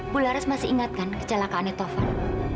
bu laras masih ingatkan kecelakaannya tofan